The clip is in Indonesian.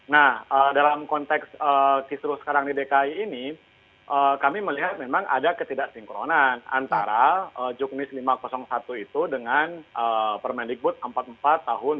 nah dalam konteks kisruh sekarang di dki ini kami melihat memang ada ketidaksinkronan antara juknis lima ratus satu itu dengan permendikbud empat puluh empat tahun dua ribu dua puluh